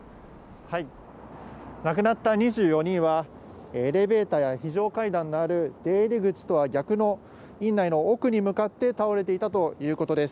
亡くなった２４人は、エレベーターや非常階段のある出入り口とは逆の、院内の奥に向かって倒れていたということです。